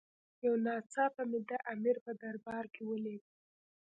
یو ناڅاپه مې د امیر په دربار کې ولید.